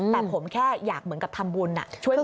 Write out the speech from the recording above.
แต่ผมแค่อยากเหมือนกับทำบุญช่วยเหลือคน